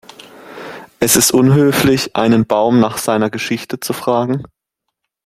Es ist unhöflich, einen Baum nach seiner Geschichte zu fragen.